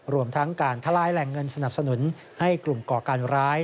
รวมทั้งการทลายแหล่งเงินสนับสนุนให้กลุ่มก่อการร้าย